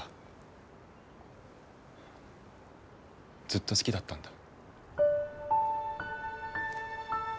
ずっと好きだったんだ。